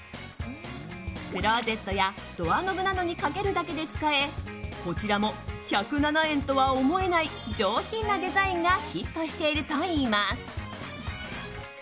クローゼットやドアノブなどにかけるだけで使えこちらも１０７円とは思えない上品なデザインがヒットしているといいます。